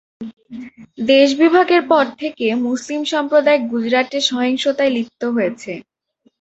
দেশ বিভাগের পর থেকে মুসলিম সম্প্রদায় গুজরাটে সহিংসতায় লিপ্ত হয়েছে।